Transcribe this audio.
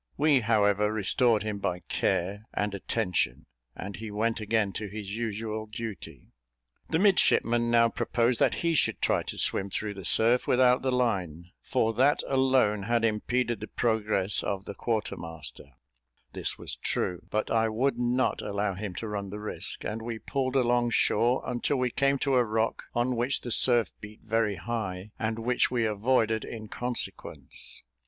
We, however, restored him by care and attention, and he went again to his usual duty. The midshipman now proposed that he should try to swim through the surf without the line, for that alone had impeded the progress of the quarter master; this was true, but I would not allow him to run the risk, and we pulled along shore, until we came to a rock on which the surf beat very high, and which we avoided in consequence.